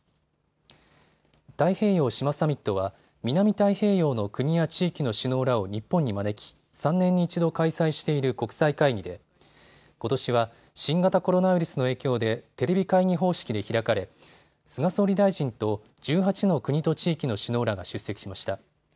太平洋・島サミットは南太平洋の国や地域の首脳らを日本に招き３年に１度開催している国際会議でことしは新型コロナウイルスの影響でテレビ会議方式で開かれ菅総理大臣と１８の国と地域の首脳らが出席しました。